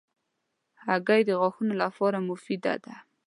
هګۍ د غاښونو لپاره مفیده ده.